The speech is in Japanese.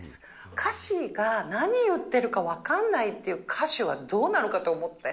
歌詞が何言ってるか分かんないっていう歌手は、どうなのかと思って。